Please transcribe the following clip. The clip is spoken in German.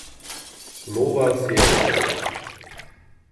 Nova series.